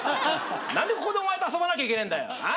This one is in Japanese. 何でここでお前と遊ばなきゃいけねえんだよ。